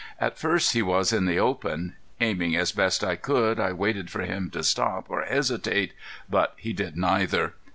At first he was in the open. Aiming as best I could I waited for him to stop or hesitate. But he did neither.